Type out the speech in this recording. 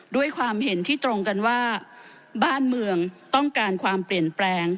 ด้วยความเห็นที่ตรงกันว่าบ้านเมืองต้องการความเปลี่ยนแปลง